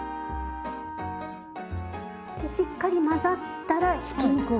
しっかり混ざったらひき肉を加えます。